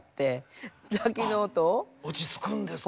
落ち着くんですか？